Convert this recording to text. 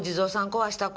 壊した子